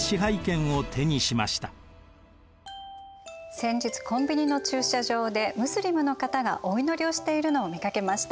先日コンビニの駐車場でムスリムの方がお祈りをしているのを見かけました。